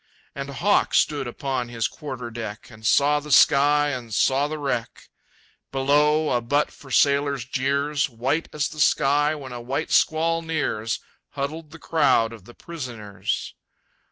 And Hawk stood upon his quarter deck, And saw the sky and saw the wreck. Below, a butt for sailors' jeers, White as the sky when a white squall nears, Huddled the crowd of the prisoners.